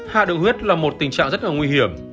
hạ đường huyết là một tình trạng rất là nguy hiểm